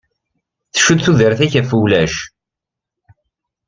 Tcudd tudert-ik ɣef wulac.